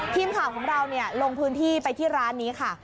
ทีมข่าวของเราลงพื้นที่ไปที่ร้านนี้ค่ะ